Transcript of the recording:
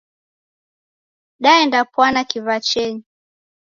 Daendapwana kiw'achenyi.